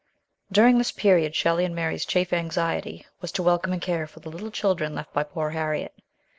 During this period, Shelley's and Mary's chief anxiety was to welcome and care for the little chil dren left by poor Harriet.